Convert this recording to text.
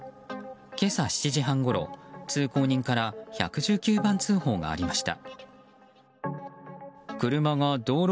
今朝７時半ごろ、通行人から１１９番通報がありました。